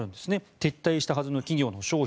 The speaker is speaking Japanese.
撤退したはずの企業の商品